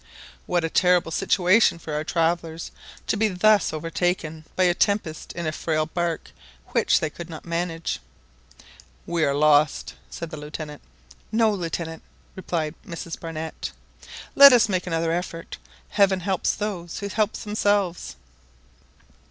What a terrible situation for our travellers, to be thus overtaken by a tempest in a frail bark which they could not manage ! "We are lost!" said the Lieutenant. "No, Lieutenant," replied Mrs Barnett; "let us make another effort. Heaven helps those who help themselves